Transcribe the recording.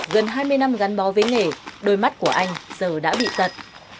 gần hai mươi năm gắn bó với nghề đôi mắt của anh giờ đã bị tật